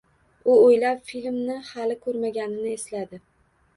U o‘ylab, filmni hali ko‘rmaganini esladi.